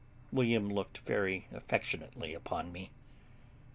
William looked very affectionately upon me.